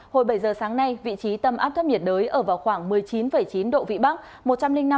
hồi bảy giờ sáng nay vị trí tâm áp thấp nhiệt đới ở vào khoảng một mươi chín chín độ vĩ bắc